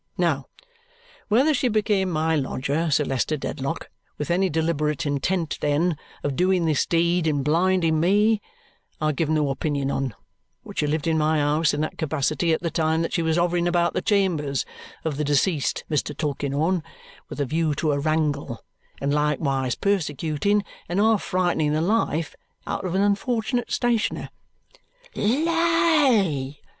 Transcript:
Now, whether she became my lodger, Sir Leicester Dedlock, with any deliberate intention then of doing this deed and blinding me, I give no opinion on; but she lived in my house in that capacity at the time that she was hovering about the chambers of the deceased Mr. Tulkinghorn with a view to a wrangle, and likewise persecuting and half frightening the life out of an unfortunate stationer." "Lie!"